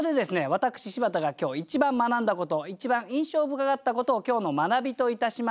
私柴田が今日一番学んだこと一番印象深かったことを今日の学びといたしまして